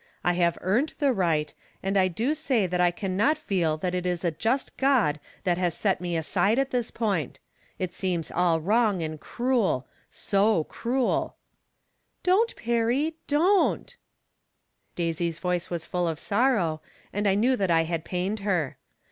I have earned the right, and I do say that I can not feel that it is a just God that has set me aside at this point. It seems all VTTong and cruel — so cruel." " Don't FexTj— don't." Daisy's voice was full of sorrow, and I knew that I had pained her.